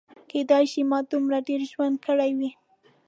کیدای شي ما دومره ډېر ژوند کړی وي.